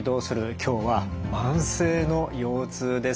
今日は慢性の腰痛です。